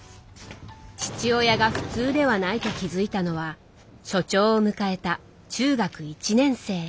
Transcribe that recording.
父親が普通ではないと気付いたのは初潮を迎えた中学１年生。